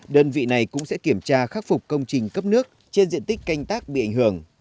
đơn vị này cũng sẽ kiểm tra khắc phục công trình cấp nước trên diện tích canh tác bị ảnh hưởng